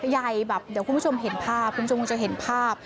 ใหญ่แบบเดี๋ยวคุณผู้ชมเห็นภาพคุณผู้ชมจะเห็นภาพ